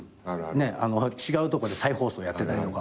違うとこで再放送やってたりとか。